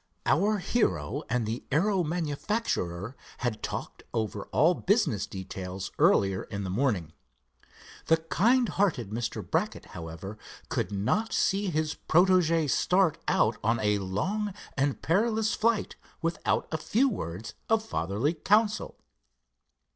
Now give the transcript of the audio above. Our hero and the aero manufacturer had talked over all business details earlier in the morning. The kind hearted Mr. Brackett, however, could not see his proteges start out on a long and perilous flight without a few words of fatherly counsel.